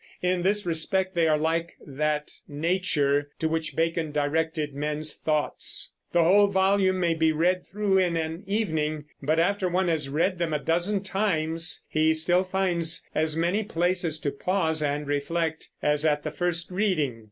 In this respect they are like that Nature to which Bacon directed men's thoughts. The whole volume may be read through in an evening; but after one has read them a dozen times he still finds as many places to pause and reflect as at the first reading.